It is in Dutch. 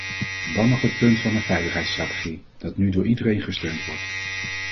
Dan nog het punt van de veiligheidsstrategie, dat nu door iedereen gesteund wordt.